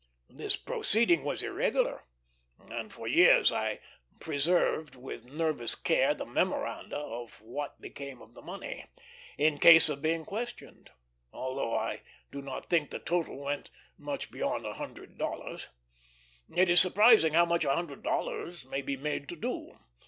This proceeding was irregular, and for years I preserved with nervous care the memoranda of what became of the money, in case of being questioned; although I do not think the total went much beyond a hundred dollars. It is surprising how much a hundred dollars may be made to do.